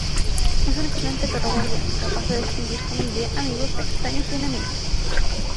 Es un excelente perro guardián, capaz de distinguir familia, amigos, extraños y enemigos.